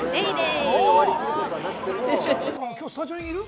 きょうスタジオにいる？